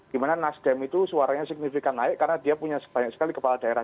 dimana nasdem itu suaranya signifikan naik karena dia punya banyak sekali kepala daerah